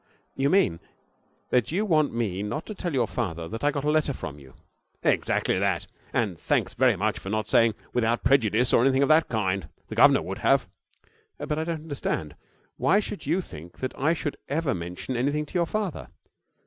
'You mean that you want me not to tell your father that I got a letter from you?' 'Exactly that. And thanks very much for not saying "without prejudice," or anything of that kind. The governor would have.' 'But I don't understand. Why should you think that I should ever mention anything to your father?'